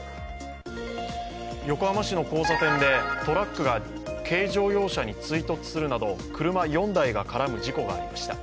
横浜市の交差点でトラックが軽乗用車に追突するなど車４台が絡む事故がありました。